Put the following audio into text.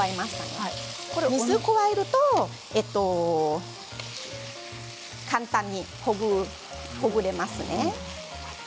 水を加えると簡単にほぐれますね。